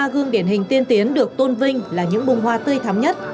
sáu mươi ba gương điển hình tiên tiến được tôn vinh là những bông hoa tươi thắm nhất